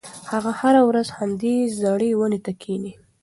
هغه هره ورځ همدې زړې ونې ته کښېني.